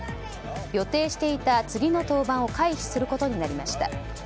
予定していた次の登板を回避することになりました。